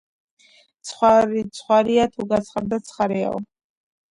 ხვარი ცხვარია, და, თუ გაცხარდა, ცხარეაო